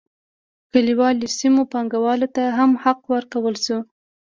کلیوالو سیمو پانګوالو ته هم حق ورکړل شو.